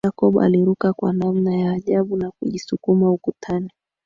Jacob aliruka kwa namna ya ajabu na kujisukuma ukutani